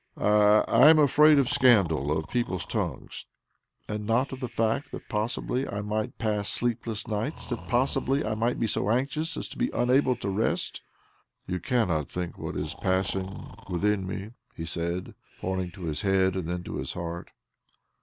" I — I am afraid of scandal, of people's tongues." " And not of the fact that possibly I might pass sleepless nights — that possibly I might be so anxious as to be unable to rest?" " You cannot think what is passing within me," he said, pointing to his head, and then to his heart.